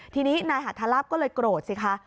ทีนี้นายหัทลาบก็เลยโกรธสิคะ